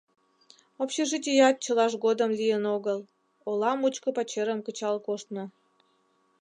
Общежитият чылаж годым лийын огыл: ола мучко пачерым кычал коштмо.